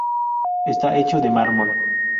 Está hecho de mármol.